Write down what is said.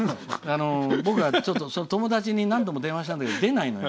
僕がちょっと友達に何度も電話したんだけど出ないのよ。